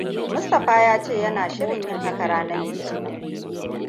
Mustapha yace yana shirin yin haka ranan Litinin.